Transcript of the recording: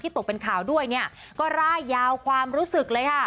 ตกเป็นข่าวด้วยเนี่ยก็ร่ายยาวความรู้สึกเลยค่ะ